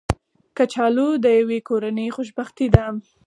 کچالو د یوې کورنۍ خوشبختي ده